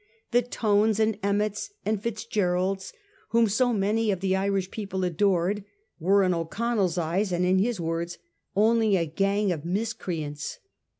The Tones, and Emmetts, and Fitzgeralds, whom so many of the Irish people adored, were, in O'Connell's eyes, and in his words, only ' a gang of miscreants.